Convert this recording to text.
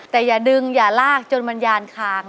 แต่อย่าดึงอย่าลากจนมันยานคาง